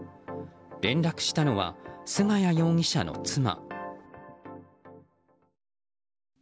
連絡したのは、菅谷容疑者の妻。